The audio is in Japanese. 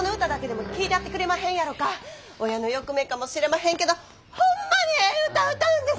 親の欲目かもしれまへんけどホンマにええ歌歌うんです！